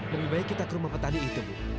lebih baik kita ke rumah petani itu bu